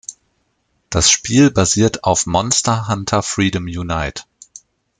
Das Spiel basiert auf "Monster Hunter Freedom Unite".